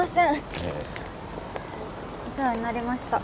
いやお世話になりました